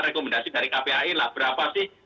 rekomendasi dari kpai lah berapa sih